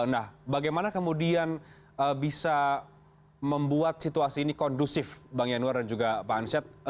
nah bagaimana kemudian bisa membuat situasi ini kondusif bang yanuar dan juga pak ansyat